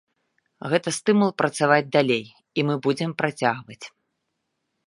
Гэта стымул працаваць далей, і мы будзем працягваць.